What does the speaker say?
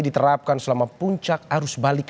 diterapkan selama puncak arus balik